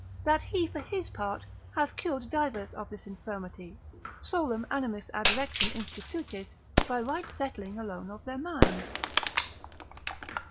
that he, for his part, hath cured divers of this infirmity, solum animis ad rectum institutis, by right settling alone of their minds.